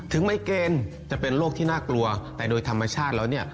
ไมเกณฑ์จะเป็นโรคที่น่ากลัวแต่โดยธรรมชาติแล้วเนี่ย